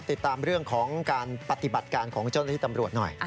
ติดตามเรื่องของการปฏิบัติการของเจ้าหน้าที่ตำรวจหน่อย